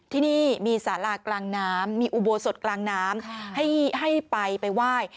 ที่นี่มีสารากลางน้ำมีอุโบสถกลางน้ำให้ไปไปไหว้